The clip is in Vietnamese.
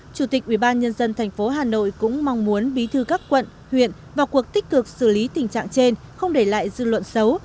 chủ tịch ubnd tp hà nội cũng mong muốn bí thư các quận huyện vào cuộc tích cực xử lý tình trạng trên không để lại dư luận xấu